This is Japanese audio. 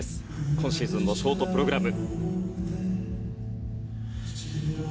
今シーズンのショートプログラム。